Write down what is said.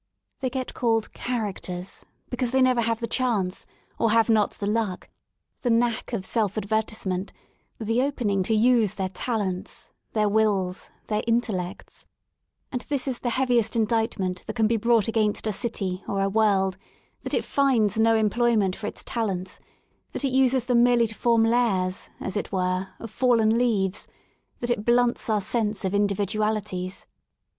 They get called '* characters" because they never have the chance, or have not the luck, the knack of self advertisement, the opening to use their talents, their wills, their intellects* And this is the heaviest indictment that can be brought against a city or a world — that it finds no employment for its talents, that it uses them merely to form layers^ as it were, of fallen leaves, that it blunts our sense of individualities.